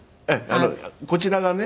こちらがね